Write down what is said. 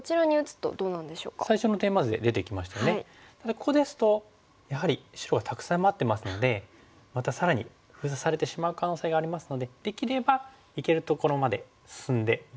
ここですとやはり白がたくさん待ってますのでまた更に封鎖されてしまう可能性がありますのでできればいけるところまで進んでいくこの。